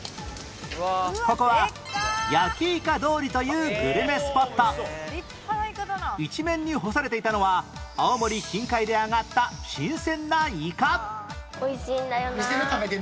ここは「焼きイカ通り」というグルメスポット一面に干されていたのは青森近海で揚がった新鮮なイカ